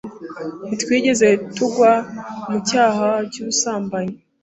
ntitwigeze tugwa mu cyaha cy’ubusambanyi,